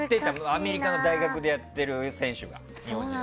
アメリカの大学でやってる選手が。